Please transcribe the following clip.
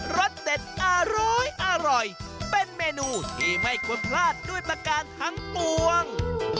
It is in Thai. รสเด็ดอร้อยเป็นเมนูที่ไม่ควรพลาดด้วยประการทั้งปวง